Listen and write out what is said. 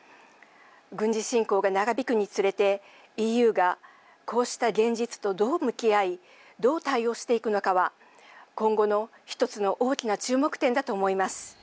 軍事侵攻が長引くにつれてＥＵがこうした現実とどう向き合いどう対応していくのかは今後の１つの大きな注目点だと思います。